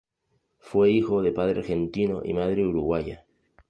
Fue hijo de padre argentino y madre uruguaya.